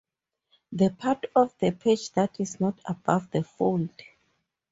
The part of the page that is not above the fold.